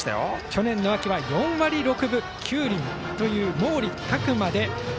去年の秋は４割６分９厘という毛利拓真が打席。